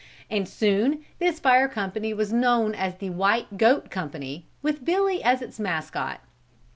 And soon this fire company was known as the White Goat Company, with Billy as its mascot.